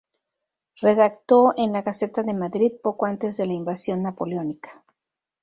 Redactó en la "Gaceta de Madrid" poco antes de la invasión napoleónica.